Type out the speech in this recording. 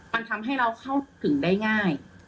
มันทำให้เราเข้าถึงได้ง่าย